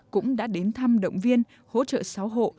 cũng đã đến thăm động viên hỗ trợ sáu hộ